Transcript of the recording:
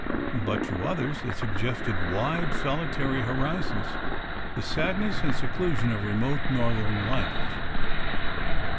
But to others it suggested wide, solitary horizons, the sadness and seclusion of remote Northern life.